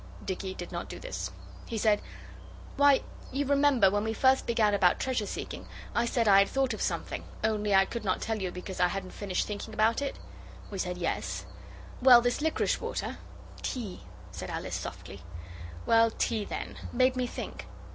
Dicky did not do this. He said 'Why, you remember when we first began about treasure seeking, I said I had thought of something, only I could not tell you because I hadn't finished thinking about it.' We said 'Yes.' 'Well, this liquorice water ' 'Tea,' said Alice softly. 'Well, tea then made me think.